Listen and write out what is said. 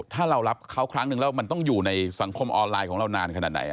ถ้าเรารับเขาครั้งนึงแล้วมันต้องอยู่ในสังคมออนไลน์ของเรานานขนาดไหน